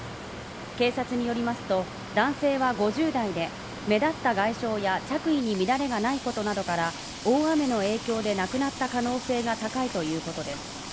警察によりますと、男性は５０代で目立った外傷や着衣に乱れがないことなどから大雨の影響で亡くなった可能性が高いということです。